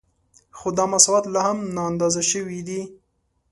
خو دا مساوات لا هم نااندازه شوی دی